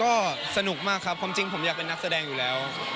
ก็สนุกมากครับความจริงผมอยากเป็นนักแสดงอยู่แล้ว